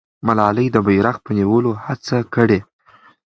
ملالۍ د بیرغ په نیولو هڅه کړې.